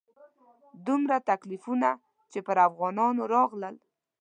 دومره تکلیفونه چې پر افغانانو راغلل.